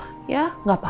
reina abis sekolah ngantuk